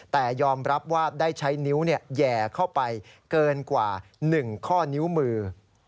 แต่ยอมรับว่าได้ใช้นิ้วแหย่เข้าไปเกินกว่า๑ข้อนิ้วมือ